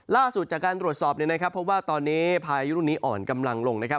ล่าสุดจากการตรวจสอบเนี่ยนะครับเพราะว่าตอนนี้พายุลูกนี้อ่อนกำลังลงนะครับ